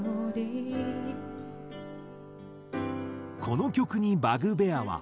この曲にバグベアは。